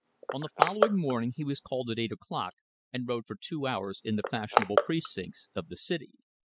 On the following morning he was called at eight o'clock and rode for two hours in the fashionable precincts of the city.